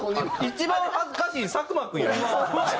一番恥ずかしいの佐久間君やで。